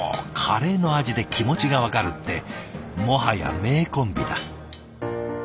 カレーの味で気持ちが分かるってもはや名コンビだ。